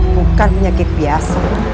bukan penyakit biasa